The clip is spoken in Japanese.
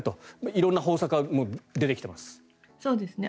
色んな方策が出てきています。